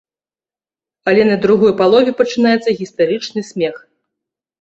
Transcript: Але на другой палове пачынаецца гістэрычны смех.